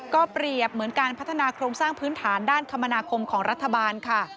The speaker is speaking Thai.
ก็เปรียบเหมือนการพัฒนาโครงสร้างพื้นฐานด้านคมนาคมของรัฐบาลค่ะ